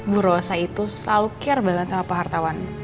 bu rosa itu selalu care banget sama pak hartawan